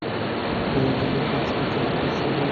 Valentine day card, শুভেচ্ছা card mixtape আরও কতকিছু।